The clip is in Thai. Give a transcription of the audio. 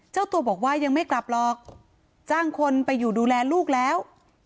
เจ้าตัวบอกว่ายังไม่กลับหรอกจ้างคนไปอยู่ดูแลลูกแล้ว